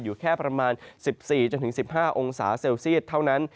อยู่แค่ประมาณ๑๔๑๕องศาเซลเซียตเท่านั้น